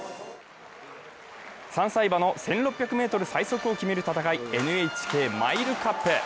３歳馬の１６００ｍ最速を決める戦いＮＨＫマイルカップ。